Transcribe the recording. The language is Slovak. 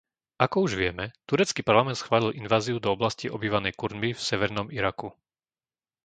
Ako už vieme, turecký parlament schválil inváziu do oblasti obývanej Kurdmi v severnom Iraku.